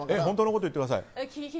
ホントのこと言ってください。